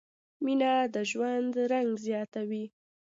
مینه د ژوند رنګ زیاتوي.